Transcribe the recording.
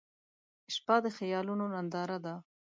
• شپه د خیالونو ننداره ده.